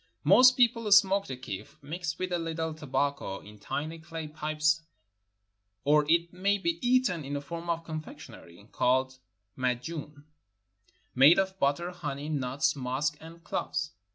Most people smoke the kiff, mixed with a little tobacco, in tiny clay pipes, or it may be eaten in a form of confectioner^^ called mad jun, made of butter, honey, nuts, musk, and cloves.